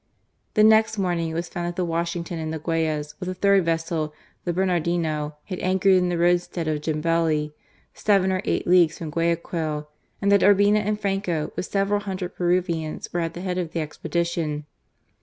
The next morning it was found that the Washington and the Gtmyas, with a third vessel, the Bernardino, had anchored in the roadstead of Jambeli, seven or eight leagues from Guayaquil, and that Urbina and Franco with several hundred Peruvians were at the head of the expedition.